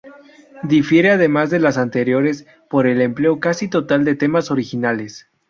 Difiere además de las anteriores por el empleo casi total de temas originales.